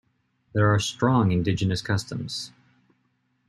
There are strong indigenous customs.